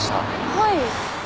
はい。